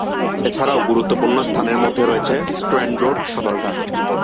এছাড়াও গুরুত্বপূর্ণ স্থানের মধ্যে রয়েছে স্ট্র্যান্ড রোড, সদরঘাট।